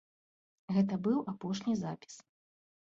Гэта быў апошні запіс.